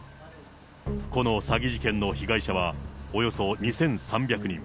この詐欺事件の被害者は、およそ２３００人。